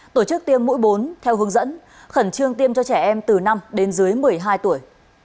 tổ chức tiêm mũi bốn theo hướng dẫn khẩn trương tiêm cho trẻ em từ năm đến dưới một mươi hai tuổi